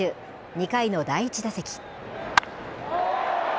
２回の第１打席。